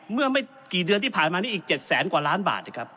เมื่อไม่กี่เดือนที่ผ่านมานี้อีก๗แสนกว่าล้านบาทนะครับ